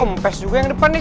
kompes juga yang depan nih